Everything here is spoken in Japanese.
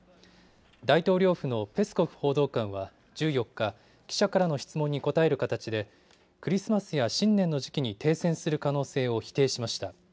大統領府のペスコフ報道官は１４日、記者からの質問に答える形でクリスマスや新年の時期に停戦する可能性を否定しました。